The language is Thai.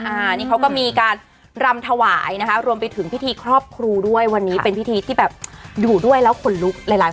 อันนี้เขาก็มีการรำถวายนะคะรวมไปถึงพิธีครอบครูด้วยวันนี้เป็นพิธีที่แบบอยู่ด้วยแล้วขนลุกหลายหลายคน